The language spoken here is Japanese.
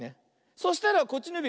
そしたらこっちのゆび